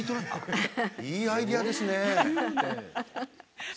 いいアイデアですね。